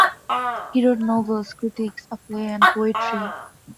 He wrote novels, critiques, a play, and poetry.